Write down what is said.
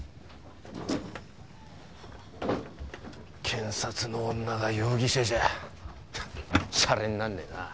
検察の女が容疑者じゃシャレになんねぇな。